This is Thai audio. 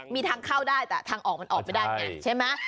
มีทางเข้าได้แต่ทางออกมันออกไปได้ไงใช่ไหม